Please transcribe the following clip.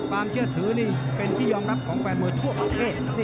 ความเชื่อถือนี่เป็นที่ยอมรับของแฟนมวยทั่วประเทศ